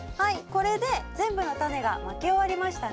これで全部のタネがまき終わりましたね。